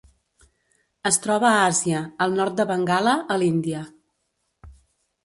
Es troba a Àsia: el nord de Bengala a l'Índia.